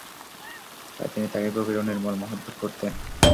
তাই তিনি তাঁকে গভীর ও নির্মল মহব্বত করতেন।